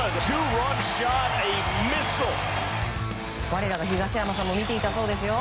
我らが東山さんも見ていたそうですよ。